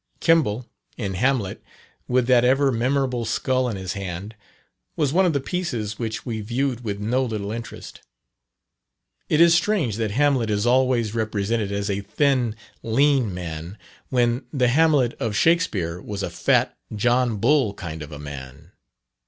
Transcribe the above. Kemble, in Hamlet, with that ever memorable skull in his hand, was one of the pieces which we viewed with no little interest. It is strange that Hamlet is always represented as a thin, lean man, when the Hamlet of Shakspere was a fat, John Bull kind of a man.